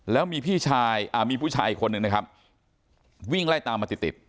แล้วมีพี่ชายมีผู้ชายอีกคนนึงนะครับวิ่งไล่ตามมาติดติด